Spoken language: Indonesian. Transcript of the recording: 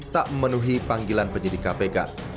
memenuhi panggilan penyidik kpk